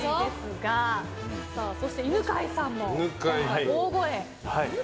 そして、犬飼さんも大声。